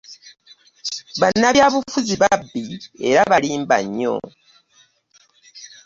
Bannabyabufuzi babbi era balimba nnyo.